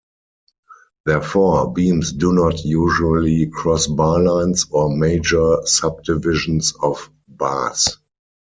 Therefore, beams do not usually cross bar lines or major subdivisions of bars.